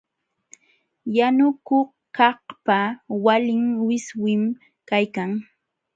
Yanukuqkaqpa walin wiswim kaykan.